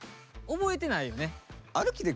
覚えてないよね。